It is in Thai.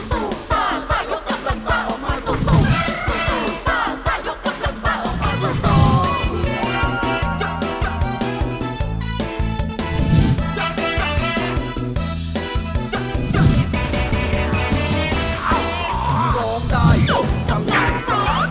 ร้องได้ยกกำลังซ่าตั้งขบวนกันมาว่างเวลาให้สุดเวียส